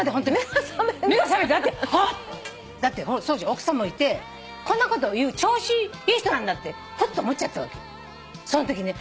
奥さんもいてこんなこと言う調子いい人なんだってふっと思っちゃったわけよそのときね。